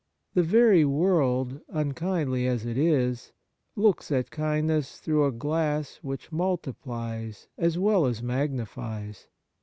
The very world, unkindly as it is, looks at kind ness through a glass which multiplies as well as magnifies.